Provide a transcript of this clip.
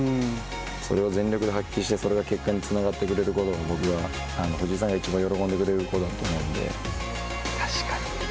それを全力で発揮してそれが結果につながってくれることが僕は藤井さんがいちばん喜んでくれる確かに。